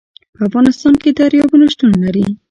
په افغانستان کې دریابونه شتون لري.